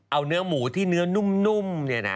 เอาเนื้อหมูที่เนื้อนุ่ม